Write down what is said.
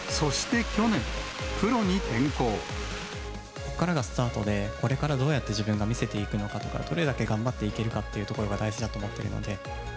ここからがスタートで、これからどうやって自分が見せていくのかとか、どれだけ頑張っていけるのかというところが大事だと思ってるので。